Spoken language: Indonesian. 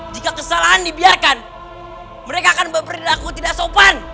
jika kesalahan dibiarkan mereka akan berperilaku tidak sopan